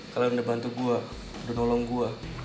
kalian sudah bantu gua sudah nolong gua